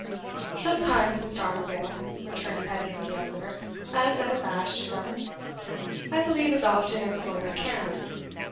"Sometimes, Mr. Armadale," returned Pedgift the elder, as unabashed as ever. "I believe as often as a lawyer can.